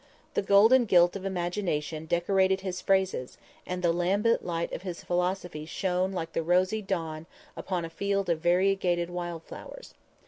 The golden gilt of imagination decorated his phrases and the lambent light of his philosophy shone like the rosy dawn upon a field of variegated wild flowers.